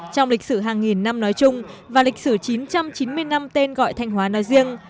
trong lịch sử hàng nghìn năm nói chung và lịch sử chín trăm chín mươi năm tên gọi thanh hóa nói riêng